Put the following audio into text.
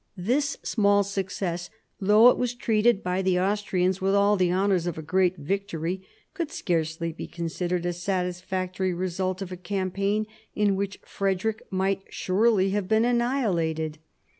This small success, though it was treated by the Austrians with all the honours of a great victory, could scarcely be considered a satisfactory result of a campaign in which Frederick might surely have been annihilated.